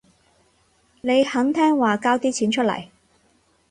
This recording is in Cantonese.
你肯聽話交啲錢出嚟